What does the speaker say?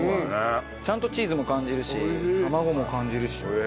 ちゃんとチーズも感じるし卵も感じるし。